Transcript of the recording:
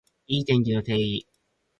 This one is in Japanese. いい天気の定義